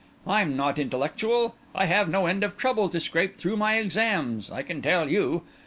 I'm not intellectual; I have no end of trouble to scrape through my exams., I can tell you!